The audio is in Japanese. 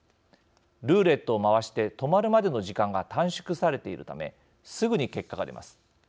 ルーレットを回して止まるまでの時間が短縮されているためすぐに結果が出ます。